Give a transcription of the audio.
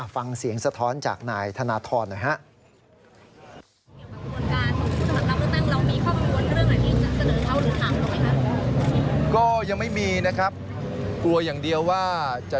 ฟังเสียงสะท้อนจากนายธนทรหน่อยฮะ